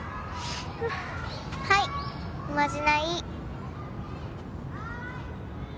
はいおまじない